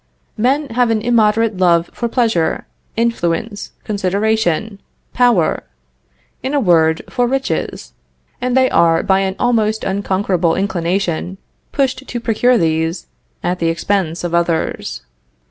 Men have an immoderate love for pleasure, influence, consideration, power in a word, for riches; and they are, by an almost unconquerable inclination, pushed to procure these, at the expense of others.